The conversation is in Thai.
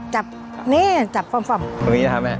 จับนี่จับฟ่อมตรงนี้นะครับแม่